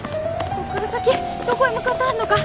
そっから先どこへ向かったはんのか。